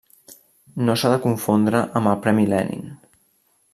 No s'ha de confondre amb el Premi Lenin.